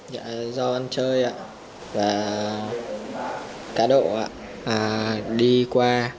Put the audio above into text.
do ăn chơi và cá độ đi qua